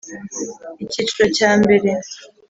Icyiciro cya mbere.